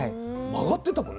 曲がってたもん